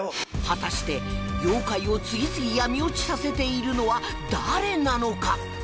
果たして妖怪を次々闇落ちさせているのは誰なのか？